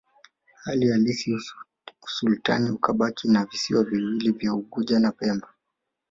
Hali halisi usultani ukabaki na visiwa viwili vya Unguja na Pemba tu